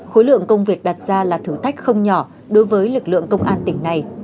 khối lượng công việc đặt ra là thử thách không nhỏ đối với lực lượng công an tỉnh này